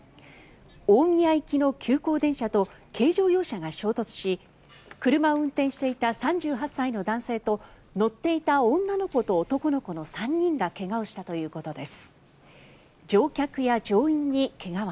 大宮行きの急行電車と軽乗用車が衝突し車を運転していた３８歳の男性と乗っていた女の子と男の子の３人が怪我をしたということです。